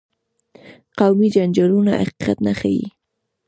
قومي جنجالونه حقیقت نه ښيي.